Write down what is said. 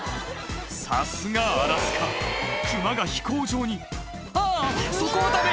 さすがアラスカクマが飛行場にあそこはダメ！